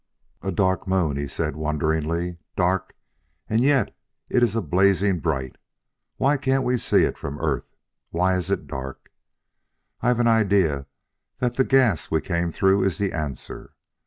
"A dark moon!" he said wonderingly. "Dark! and yet it is blazing bright. Why can't we see it from Earth? Why is it dark?... I've an idea that the gas we came through is the answer.